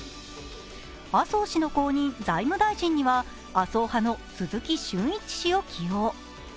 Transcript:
麻生氏の後任、財務大臣には麻生派の鈴木俊一氏を起用。